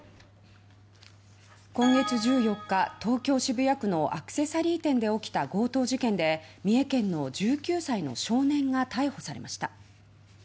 今月１４日、東京渋谷区のアクセサリー店で起きた強盗事件で三重県の１９歳の少年が逮捕されました。